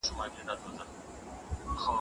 ولي خلګ قوانين تر پښو لاندې کوي؟